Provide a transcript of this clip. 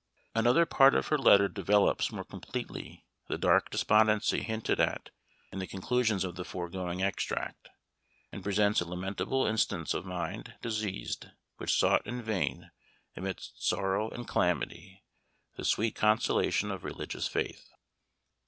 Another part of her letter develops more completely the dark despondency hinted at in the conclusion of the foregoing extract and presents a lamentable instance of a mind diseased, which sought in vain, amidst sorrow and calamity, the sweet consolations of religious faith.